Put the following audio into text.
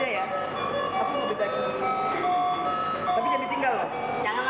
yuk kita kesana yuk